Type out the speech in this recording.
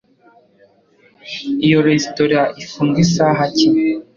Iyo resitora ifunga isaha ki?